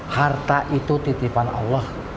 harta itu titipan allah